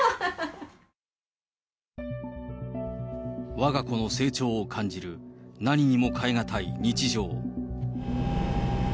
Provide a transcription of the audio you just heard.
わが子の成長を感じる何にも変えがたい日常。